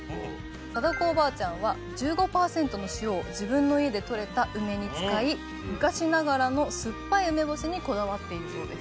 貞子おばあちゃんは１５％の塩を自分の家で採れた梅に使い昔ながらの酸っぱい梅干しにこだわっているそうです。